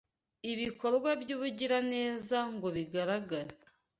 ibikorwa by’ubugiraneza ngo bagaragare.